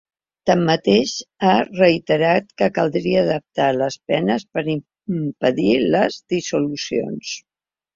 Tanmateix, ha reiterat que caldria adaptar les penes per impedir les dissolucions.